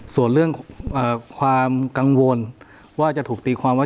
ส่วนเรื่องความกังวลว่าจะถูกตีความว่า